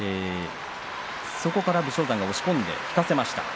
そこから武将山が押し込んで引かせました。